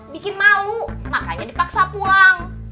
bikin malu makanya dipaksa pulang